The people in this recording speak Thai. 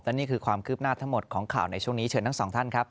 นี่คือความคืบหน้าทั้งหมดของข่าวในช่วงนี้เชิญทั้งสองท่านครับ